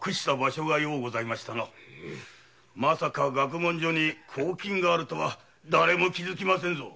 まさか学問所に公金があるとはだれも気づきませんぞ。